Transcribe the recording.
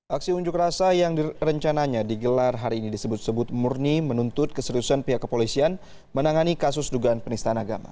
aksi unjuk rasa yang direncananya digelar hari ini disebut sebut murni menuntut keseriusan pihak kepolisian menangani kasus dugaan penistaan agama